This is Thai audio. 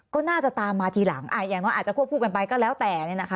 ก็น่าจะตามมาทีหลังอย่างน้อยอาจจะควบคู่กันไปก็แล้วแต่